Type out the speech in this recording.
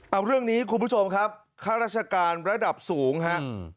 เอาเรื่องนี้คุณผู้ชมครับข้าราชการระดับสูงครับ